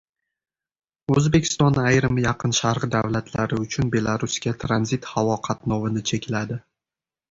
O‘zbekiston ayrim Yaqin Sharq davlatlari uchun Belarusga tranzit havo qatnovini chekladi